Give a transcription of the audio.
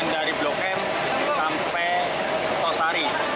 dan dari blok m sampai tosari